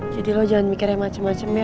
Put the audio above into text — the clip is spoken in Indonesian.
jadi lo jangan mikir yang macem macem ya